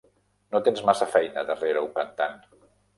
No tens massa feina darrere un cantant.